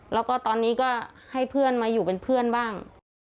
แล้วก็ตอนนี้ก็ให้เพื่อนมาอยู่เป็นเพื่อนบ้าง